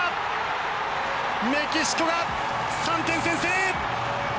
メキシコが３点先制！